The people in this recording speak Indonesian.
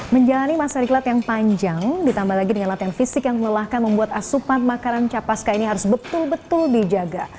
menjalani masa diklat yang panjang ditambah lagi dengan latihan fisik yang melelahkan membuat asupan makanan capaska ini harus betul betul dijaga